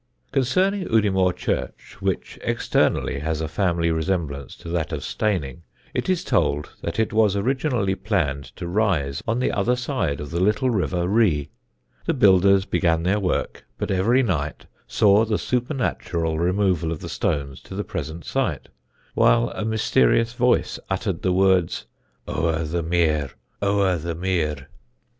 Concerning Udimore church, which externally has a family resemblance to that of Steyning, it is told that it was originally planned to rise on the other side of the little river Ree. The builders began their work, but every night saw the supernatural removal of the stones to the present site, while a mysterious voice uttered the words "O'er the mere! O'er the mere!"